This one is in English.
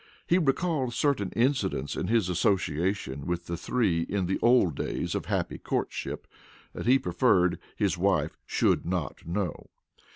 He recalled certain incidents in his association with the three in the old days of happy courtship that he preferred his wife should not know.